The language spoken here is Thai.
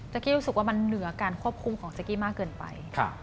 กี้รู้สึกว่ามันเหนือการควบคุมของเซ็กกี้มากเกินไป